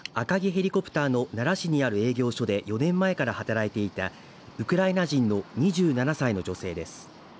ヘリコプターの奈良市にある営業所で４年前から働いていたウクライナ人の２７歳の女性です。